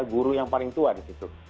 guru yang paling tua di situ